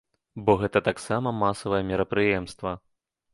Бо гэта таксама масавае мерапрыемства!